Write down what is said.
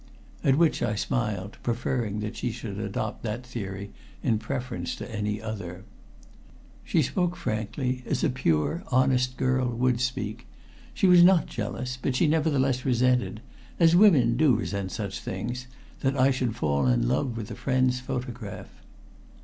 At which I smiled, preferring that she should adopt that theory in preference to any other. She spoke frankly, as a pure honest girl would speak. She was not jealous, but she nevertheless resented as women do resent such things that I should fall in love with a friend's photograph.